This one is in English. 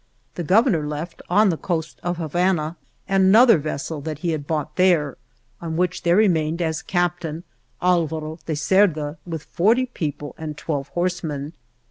The Governor left, on the coast of Habana, an other vessel that he had bought there, on which there remained, as captain, Alvaro de Cerda, with forty people and twelve horse men.